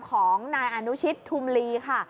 ของนายอนุชิตทุมลีค่ะ